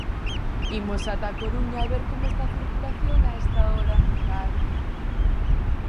Imos ata A Coruña a ver como está a circulación a esta hora, Carmen...